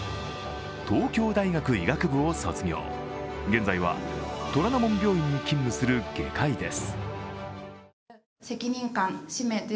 東京大学医学部を卒業、現在は虎の門病院に勤務する外科医です。